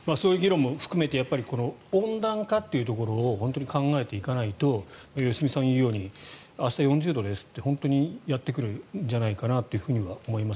そういう議論も含めて温暖化というところを考えていかないと良純さんが言うように明日４０度ですって本当にやってくるんじゃないかなと思います。